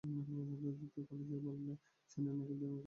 Michael Madhusudan college বললে চেনে না, কিন্তু এমএম কলেজ বললে ঠিকই চেনে।